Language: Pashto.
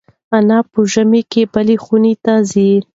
انا په ژمي کې بلې خونې ته ځي.